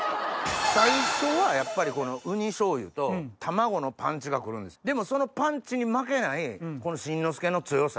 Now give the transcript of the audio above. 最初はやっぱりこの雲丹醤油と卵のパンチが来るんですでもそのパンチに負けないこの新之助の強さ。